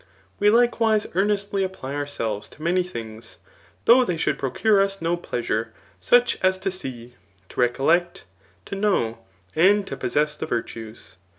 We likewise earnestly apply ourselves to many things, though they should procure us no pleasure^ such as to see, to recollect, to know, and to possess the virtues.